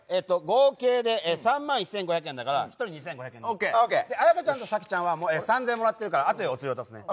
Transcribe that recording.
合計で３万１５００円だから１人２５００円アヤカちゃんとサキちゃんはもう３０００円もらってるからあとでお釣り渡すね